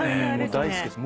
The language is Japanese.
大好きです。